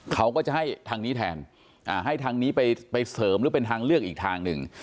เขาก็จะให้ทางนี้แทนให้ทางนี้ไปเสริมหรือเป็นทางเลือกอีกทางหนึ่ง